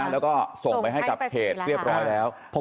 แล้วก็ส่งไปให้กับเขตเรียบร้อยแล้ว